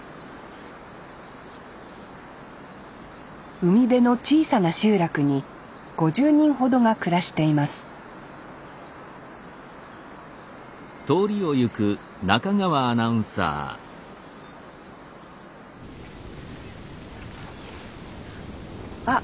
海辺の小さな集落に５０人ほどが暮らしていますあっ